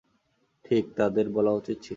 ঠিক, তাদের বলা উচিত ছিলো।